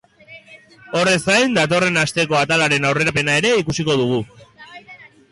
Horrez gain, datorren asteko atalaren aurrerapena ere ikusiko dugu.